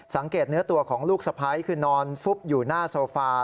เนื้อตัวของลูกสะพ้ายคือนอนฟุบอยู่หน้าโซฟา